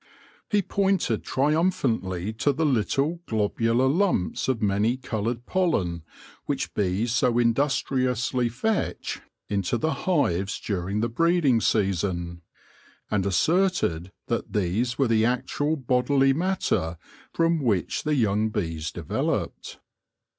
He pointed triumphantly to the little ; globular lumps of many coloured pollen which bees so in dustriously fetch into the hives during the breeding season, and asserted that these were the actual bodily matter from which the young bees developed.